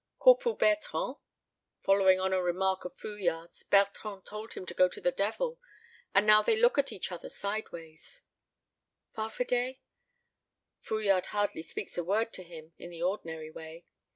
Corporal Bertrand? Following on a remark of Fouillade's, Bertrand told him to go to the devil, and now they look at each other sideways. Farfadet? Fouillade hardly speaks a word to him in the ordinary way.